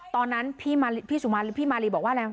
ตอนนั้นพี่สุมานพี่มารีบอกว่าอะไร